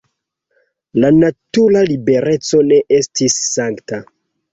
La natura libereco ne estis sankta.